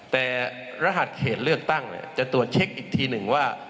แต่รหัสเขตเลือกตั้งจะตรวจเช็คอีกทีหนึ่งว่า